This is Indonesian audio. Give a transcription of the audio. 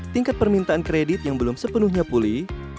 tingkat permintaan kredit yang belum sepenuhnya pulih